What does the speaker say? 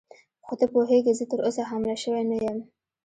خو ته پوهېږې زه تراوسه حامله شوې نه یم.